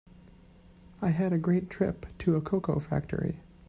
I had a great trip to a cocoa factory.